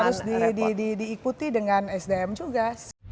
harus diikuti dengan sdm juga